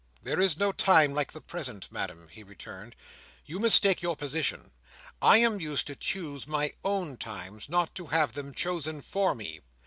"There is no time like the present, Madam," he returned. "You mistake your position. I am used to choose my own times; not to have them chosen for me.